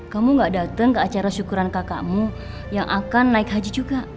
kamu gak datang ke acara syukuran kakakmu yang akan naik haji juga